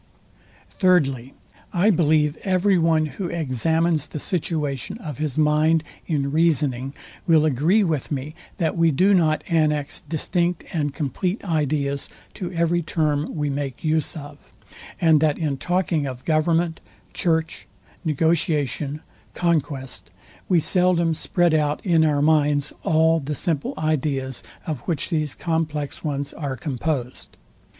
Thirdly, I believe every one, who examines the situation of his mind in reasoning will agree with me, that we do not annex distinct and compleat ideas to every term we make use of, and that in talking of government, church, negotiation, conquest, we seldom spread out in our minds all the simple ideas, of which these complex ones are composed.